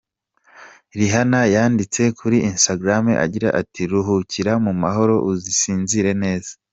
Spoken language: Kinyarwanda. Rihanna yanditse kuri Instagram agira ati "Ruhukira mu mahoro, usinzire neza.